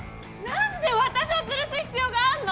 なんで私を吊るす必要があんの？